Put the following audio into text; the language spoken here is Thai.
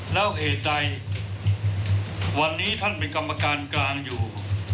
แล้วเหตุใดวันนี้ท่านเป็นกรรมการกลางอยู่